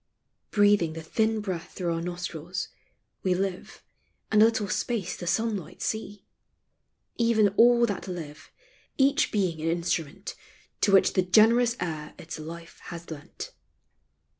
Breathing the thin breath through our nostrils, we Live, and a little space the sunlight sec Even all that live — each being an instrument To which the generous air its life has lent. 230 POEMS OF SENTIMENT.